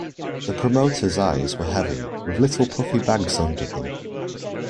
The promoter's eyes were heavy, with little puffy bags under them.